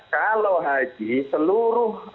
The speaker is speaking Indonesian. kalau haji seluruh